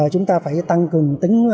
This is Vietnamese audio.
chúng ta phải tăng cường tính